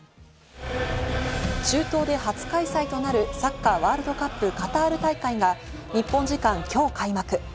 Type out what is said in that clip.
中東で初開催となるサッカーワールドカップカタール大会が日本時間きょう開幕。